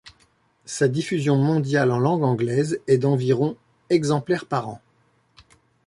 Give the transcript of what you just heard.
Sa diffusion mondiale en langue anglaise est d'environ exemplaires par an.